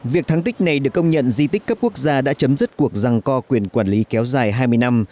việc thắng tích này được công nhận di tích cấp quốc gia đã chấm dứt cuộc răng co quyền quản lý kéo dài hai mươi năm